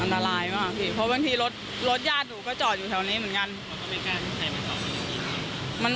อะไรมากพี่เพราะบางทีรถรถญาติหนูก็จอดอยู่แถวนี้เหมือนกัน